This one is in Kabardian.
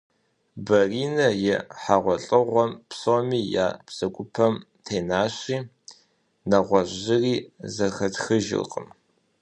Баринэ и хьэгъуэлӏыгъуэр псоми я бзэгупэм тенащи, нэгъуэщӏ зыри зэхэтхыжыркъым.